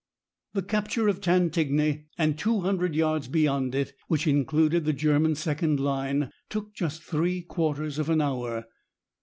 The capture of Cantigny and 200 yards beyond it, which included the German second line, took just three quarters of an hour.